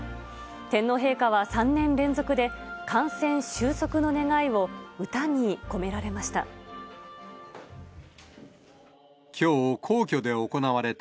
天皇陛下は３年連続で、感染収束の願いを歌に込められました。